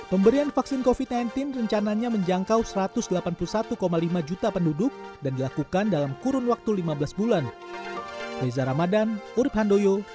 pemberian vaksin covid sembilan belas rencananya menjangkau satu ratus delapan puluh satu lima juta penduduk dan dilakukan dalam kurun waktu lima belas bulan